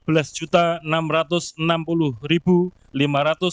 perolehan suara sah empat belas enam ratus enam puluh lima ratus enam belas suara